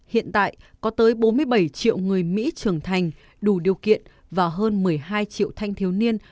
hiện tại có tới bốn mươi bảy triệu người mỹ trưởng thành đủ điều kiện và hơn một mươi hai triệu thanh thiếu niên